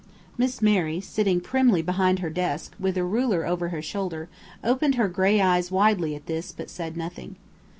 Miss Mary, sitting primly behind her desk, with a ruler over her shoulder, opened her gray eyes widely at this, but said nothing.